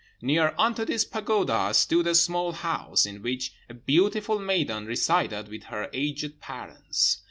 Near unto this pagoda stood a small house, in which a beautiful maiden resided with her aged parents.